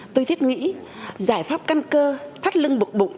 tôi thiết nghĩ giải pháp căn cơ thắt lưng buộc bụng